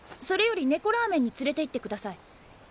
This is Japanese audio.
それより猫ラーメンに連れていってください。